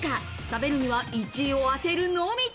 食べるには１位を当てるのみ。